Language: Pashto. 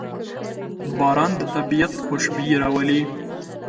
باران د طبیعت خوشبويي راولي.